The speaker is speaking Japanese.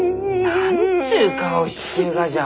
何ちゅう顔しちゅうがじゃ。